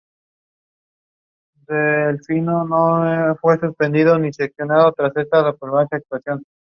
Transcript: Se encuentra abierto al púbico en general.